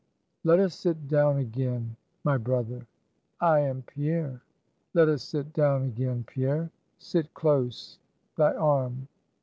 "Let us sit down again, my brother." "I am Pierre." "Let us sit down again, Pierre; sit close; thy arm!"